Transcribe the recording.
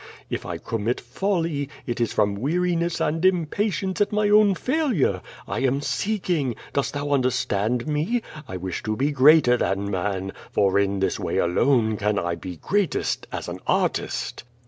If I commit folly, it is from weariness and impatience at niv own failure. I am seeking. Dost thou understand me? I wish to be <rreater than man, for in this wav alone can I be greatest as an artist."